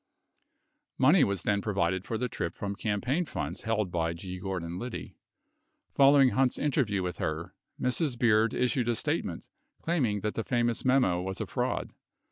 63 Money was then provided for the trip from campaign funds held by G. Gordon Liddy. 64 Following Hunt's interview with her, Mrs. Beard issued a statement claiming that the famous memo was a fraud.